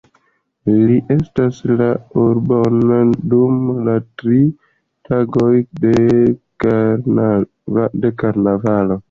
Li estras la urbon dum la tri tagoj de karnavalo.